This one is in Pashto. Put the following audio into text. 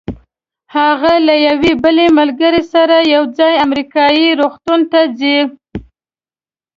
هغه له یوې بلې ملګرې سره یو ځای امریکایي روغتون ته ځي.